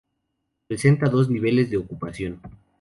Presenta dos niveles de ocupación.